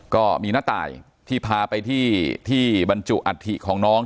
ก็มีน้าตายที่พาไปที่ที่บรรจุอัฐิของน้อง